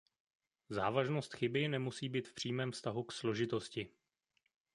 Závažnost chyby nemusí být v přímém vztahu k složitosti.